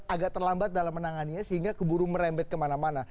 agak terlambat dalam menangannya sehingga keburu merembet kemana mana